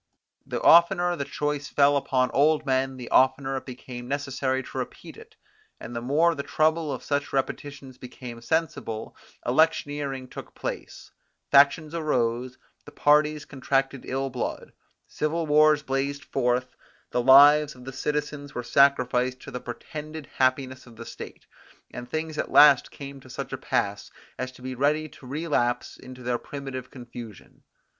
The oftener the choice fell upon old men, the oftener it became necessary to repeat it, and the more the trouble of such repetitions became sensible; electioneering took place; factions arose; the parties contracted ill blood; civil wars blazed forth; the lives of the citizens were sacrificed to the pretended happiness of the state; and things at last came to such a pass, as to be ready to relapse into their primitive confusion.